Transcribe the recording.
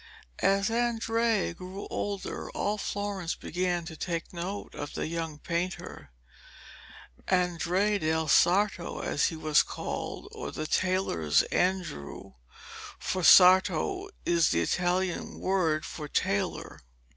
As Andrea grew older, all Florence began to take note of the young painter 'Andrea del Sarto,' as he was called, or 'the tailor's Andrew,' for sarto is the Italian word for tailor.